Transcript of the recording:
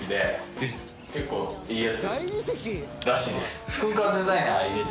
結構いいやつらしいです。